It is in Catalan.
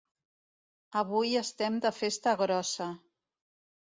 Avui estem de festa grossa.